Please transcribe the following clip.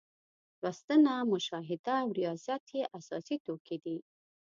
لوستنه، مشاهده او ریاضت یې اساسي توکي دي.